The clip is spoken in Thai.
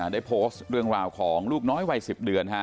ได้โพสต์เรื่องราวของลูกน้อยวัย๑๐เดือน